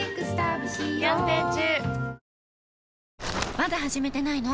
まだ始めてないの？